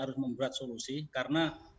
harus membuat solusi karena